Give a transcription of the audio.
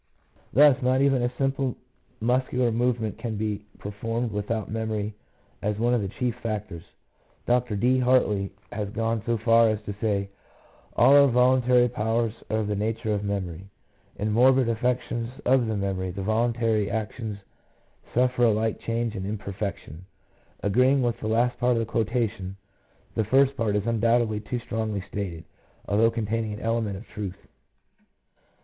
Thus, not IIO PSYCHOLOGY OF ALCOHOLISM. even a simple muscular movement can be performed without memory as one of the chief factors. Dr. D. Hartley has gone so far as to say, " All our voluntary powers are of the nature of memory. ... In morbid affections of the memory the voluntary actions suffer a like change and imperfection." Agreeing with the last part of the quotation, the first part is undoubtedly too strongly stated, although containing an element of truth.